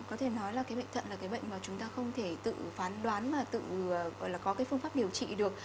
có thể nói là cái bệnh thận là cái bệnh mà chúng ta không thể tự phán đoán mà tự gọi là có cái phương pháp điều trị được